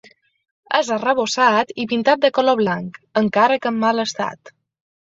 És arrebossat i pintat de color blanc, encara que en mal estat.